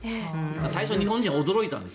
最初、日本人は驚いたんです。